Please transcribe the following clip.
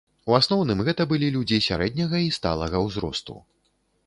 У асноўным гэта былі людзі сярэдняга і сталага ўзросту.